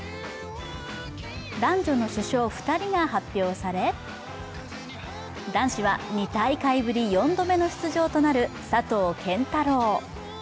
男女の主将２人が発表され男子は２大会ぶり４度目の出場となる佐藤拳太郎。